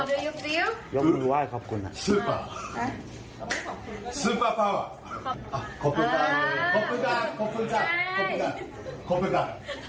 มีความรู้สึกว่าคุณค่ะ